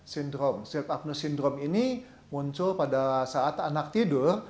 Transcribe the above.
sleep apnoe syndrome ini muncul pada saat anak tidur